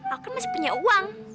aku masih punya uang